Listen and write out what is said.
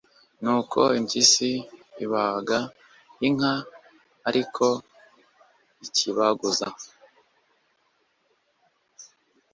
nuko impyisi ibaga inka ariko ikebaguza